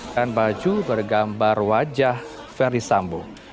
dan baju bergambar wajah feri sambo